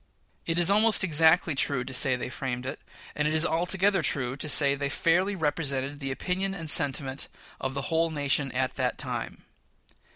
It is almost exactly true to say they framed it, and it is altogether true to say they fairly represented the opinion and sentiment of the whole nation at that time.